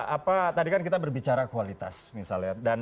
apa tadi kan kita berbicara kualitas misalnya